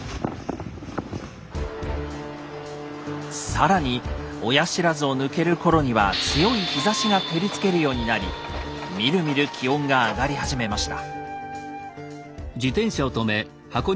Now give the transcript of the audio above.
更に親不知を抜ける頃には強い日ざしが照りつけるようになりみるみる気温が上がり始めました。